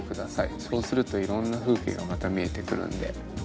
そうするといろんな風景がまた見えてくるんで。